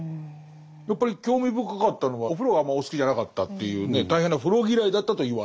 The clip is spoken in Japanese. やっぱり興味深かったのはお風呂があんまりお好きじゃなかったというね大変な風呂嫌いだったと言われると。